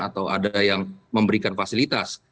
atau ada yang memberikan fasilitas